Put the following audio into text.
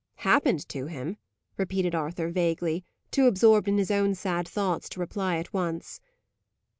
"Happened to him!" repeated Arthur, vaguely, too absorbed in his own sad thoughts to reply at once.